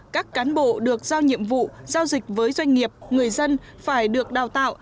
các cán bộ được giao nhiệm vụ giao dịch với doanh nghiệp người dân phải được đào tạo